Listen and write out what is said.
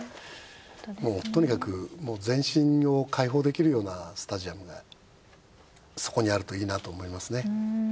もうとにかくもう全身を解放できるようなスタジアムがそこにあるといいなと思いますね。